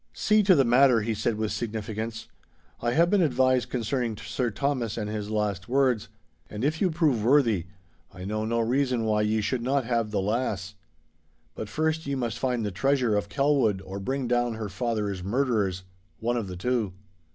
'See to the matter,' he said with significance. 'I have been advised concerning Sir Thomas and his last words. And if you prove worthy, I know no reason why ye should not have the lass. But first ye must find the treasure of Kelwood or bring down her father's murderers—one of the two.